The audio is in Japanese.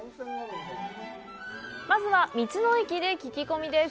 まずは、道の駅で聞き込みです！